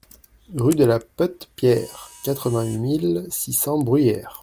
Rue de la Peute Pierre, quatre-vingt-huit mille six cents Bruyères